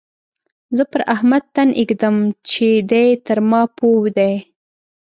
زه پر احمد تن اېږدم چې دی تر ما پوه دی.